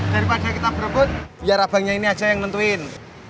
daripada kita berebut biar abangnya ini aja yang nentuin